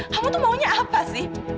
kamu tuh maunya apa sih